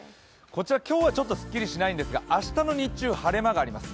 こちら今日はちょっとすっきりしないんですが、明日の日中、晴れ間があります。